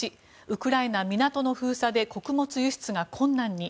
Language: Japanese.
１ウクライナ港の封鎖で穀物輸出が困難に。